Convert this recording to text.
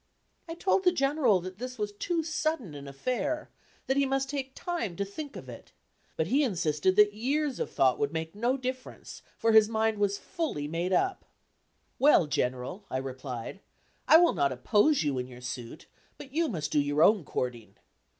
I told the General that this was too sudden an affair; that he must take time to think of it; but he insisted that years of thought would make no difference, for his mind was fully made up. "Well, General," I replied, "I will not oppose you in your suit, but you must do your own courting.